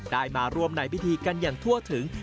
ได้มาร่วมในพิธีกันอย่างทั่วถึง